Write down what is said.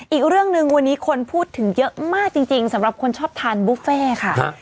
อีกเรื่องหนึ่งวันนี้คนพูดถึงเยอะมากจริงสำหรับคนชอบทานบุฟเฟ่ค่ะ